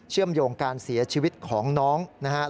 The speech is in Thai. มโยงการเสียชีวิตของน้องนะครับ